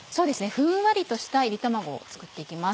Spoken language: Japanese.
ふんわりとした炒り卵を作って行きます。